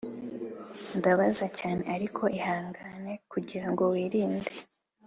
ndabaza cyane. ariko ihangane, kugirango wirinde